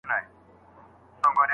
آیا د زمري غږ د پړانګ تر غږ لوړ دی؟